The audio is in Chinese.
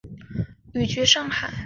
随家庭长期寓居上海。